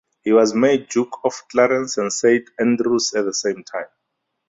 He was made Duke of Clarence and Saint Andrews at the same time.